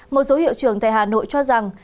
một số hiệu trường tại hà nội cho rằng